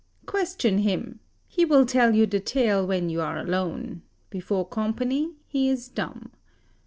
Question him, he will tell you the tale when you are alone; before company he is dumb.